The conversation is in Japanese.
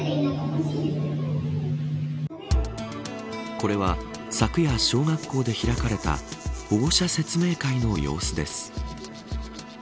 これは昨夜小学校で開かれた保護者説明会の様子です。